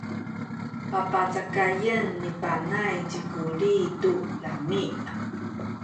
papacakayen ni Panay ci Kuli tu lami’.